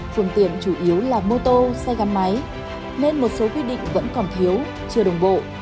phương tiện chủ yếu là mô tô xe gắn máy nên một số quy định vẫn còn thiếu chưa đồng bộ